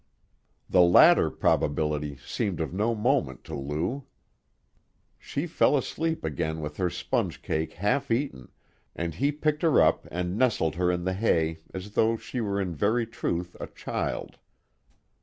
The latter probability seemed of no moment to Lou. She fell asleep again with her sponge cake half eaten, and he picked her up and nestled her in the hay as though she were in very truth a child.